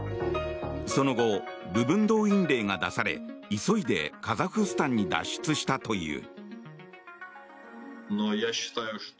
その後、部分動員令が出され急いでカザフスタンに脱出したという。